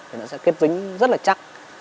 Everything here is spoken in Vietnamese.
thì nó sẽ kết dính rất là chắc